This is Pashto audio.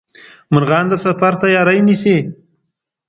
مرغان د سفر تیاري نیسي